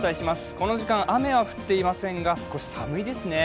この時間、雨は降っていませんが、少し寒いですね。